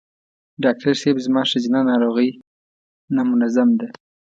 ډاکټر صېب زما ښځېنه ناروغی نامنظم ده